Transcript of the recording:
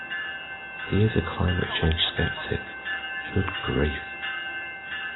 He is a climate change sceptic. Good grief!